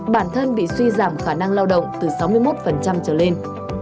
bản thân bị suy giảm khả năng lao động từ sáu mươi một trở lên